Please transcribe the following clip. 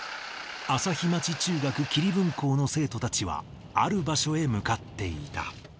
旭町中学桐分校の生徒たちは、ある場所へ向かっていた。